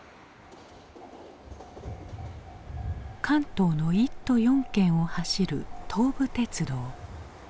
関東の１都４県を走る東武鉄道。